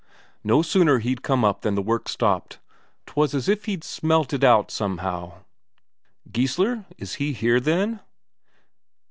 No sooner he'd come up than the work stopped; 'twas as if he'd smelt it out somehow." "Geissler, is he here, then?"